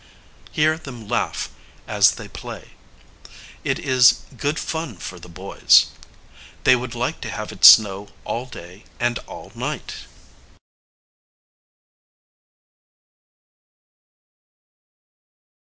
Hear them laugh as they play! It is good fun for the boys. They would like to have it snow all day and all night.